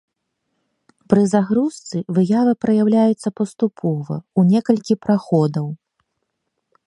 Пры загрузцы выява праяўляецца паступова, у некалькі праходаў.